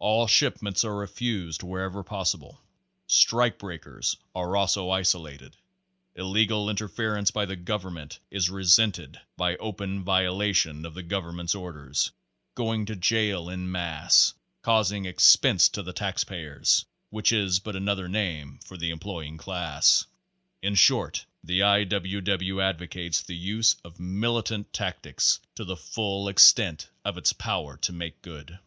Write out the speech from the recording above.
All shipments are refused wher ever possible. Strike breakers are also isolated. Illegal interference by the government is resented by open vio lation of the government's orders, going to jail en masse, causing expense to the taxpayers which is but another name for the employing class. " In short, the I. W. W. advocates the use of militant tactics to the full extent of its power to make good.